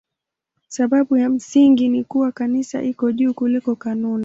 Sababu ya msingi ni kuwa Kanisa liko juu kuliko kanuni.